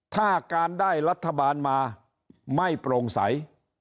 ถ้าการได้รัฐบาลมาไม่โปร่งใส